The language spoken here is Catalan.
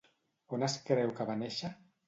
On es creu que va néixer?